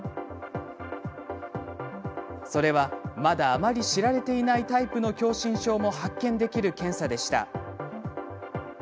それは、まだあまり知られていないタイプの狭心症も発見できる検査でした。